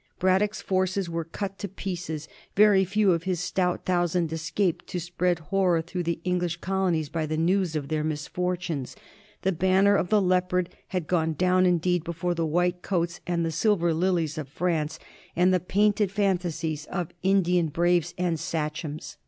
Braddock's forces were cut to pieces: very few of his stout thousand escaped to spread horror through the Eng lish colonies by the news of their misfortunes. The ban ner of the Leopard had gone down indeed before the white coats and the Silver Lilies of France and the painted fan tasies of Indian braves and sachems.